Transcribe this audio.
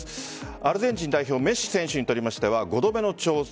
アルゼンチン代表メッシ選手につきましては５度目の挑戦。